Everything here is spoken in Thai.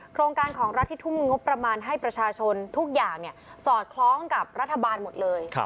โครงการของรัฐที่ทุ่มงบประมาณให้ประชาชนทุกอย่างสอดคล้องกับรัฐบาลหมดเลย